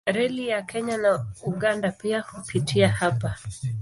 Reli ya Kenya na Uganda pia hupitia hapa.